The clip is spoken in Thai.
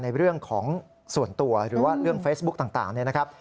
ในเรื่องของส่วนตัวหรือว่าเรื่องเฟซบุ๊กต่างเนี่ยนะครับ